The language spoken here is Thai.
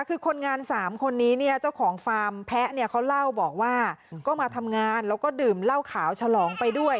คือคนงานสามคนนี้เนี่ยเจ้าของฟาร์มแพะเนี่ยเขาเล่าบอกว่าก็มาทำงานแล้วก็ดื่มเหล้าขาวฉลองไปด้วย